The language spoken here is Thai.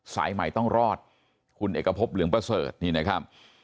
สายใหม่ต้องรอดคุณเอกพบเหลืองประเสริฐนี่นะครับ